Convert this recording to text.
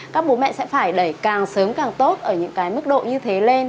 các bố mẹ sẽ phải đẩy càng sớm càng tốt ở những cái mức độ như thế lên